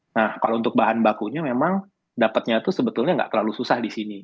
nah kalau untuk bahan bakunya memang dapatnya itu sebetulnya nggak terlalu susah di sini